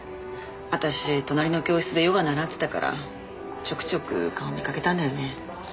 私隣の教室でヨガ習ってたからちょくちょく顔見かけたんだよね。